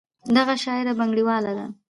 دغه شاعره بنګړیواله ده.